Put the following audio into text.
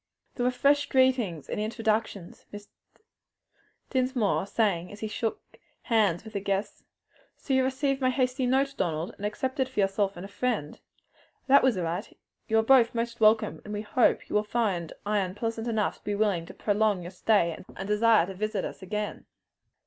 There were fresh greetings and introductions, Mr. Dinsmore saying, as he shook hands with the guests, "So you received my hasty note, Donald, and accepted for yourself and friend? That was right. You are both most welcome, and we hope will find Ion pleasant enough to be willing to prolong your stay and to desire to visit us again."